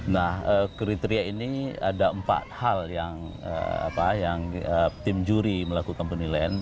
nah kriteria ini ada empat hal yang tim juri melakukan penilaian